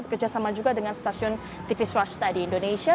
bekerjasama juga dengan stasiun tv swasta di indonesia